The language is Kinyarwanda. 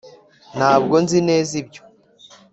ntabwo nzi neza ibyo